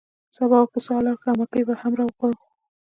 سبا به پسه حلال کړو او مکۍ به هم راوغواړو.